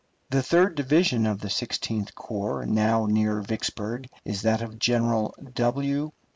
The third division of the Sixteenth Corps now near Vicksburg is that of General W.